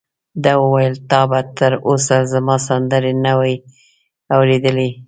ده وویل: تا به تر اوسه زما سندرې نه وي اورېدلې؟